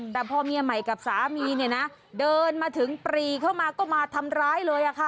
แต่พอเมียใหม่กับสามีเนี่ยนะเดินมาถึงปรีเข้ามาก็มาทำร้ายเลยค่ะ